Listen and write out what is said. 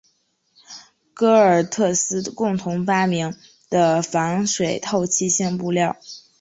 戈尔特斯共同发明的防水透气性布料。